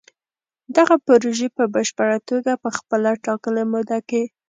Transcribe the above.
دغه پروژې به په پشپړه توګه په خپله ټاکلې موده کې